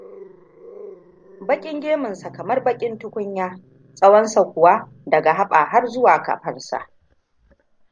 Bakin gemunsa kamar bakin tukunya, tsawonsa kuwa daga haba harzuwa kafarsa.